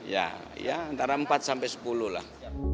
ya antara empat sampai sepuluh lah